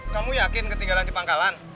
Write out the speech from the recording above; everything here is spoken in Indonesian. kamu yakin ketiga lagi pangkalan